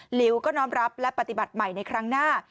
หลิวก็น้อมรับและปฏิบัติใหม่ในครั้งหน้า